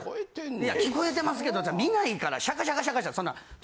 いや聞こえてますけど見ないからシャカシャカシャカそんな。